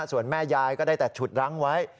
ส่วนแม่ยายก็ได้แต่ฉุดรั้งไว้